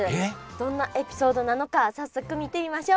どんなエピソードなのか早速見てみましょう。